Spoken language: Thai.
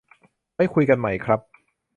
ไว้คุยกันใหม่ครับ